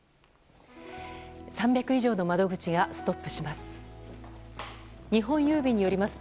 ３００以上の窓口がストップします。